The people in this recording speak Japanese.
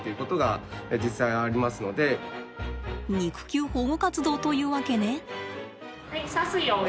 肉球保護活動というわけね。